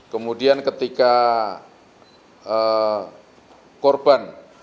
kemudian ketika korban setelah dilakukan pemukulan oleh saudara w